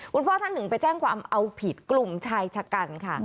คุณพ่อท่านหนึ่งไปแจ้งความเอาผิดกลุ่มชายชะกันค่ะ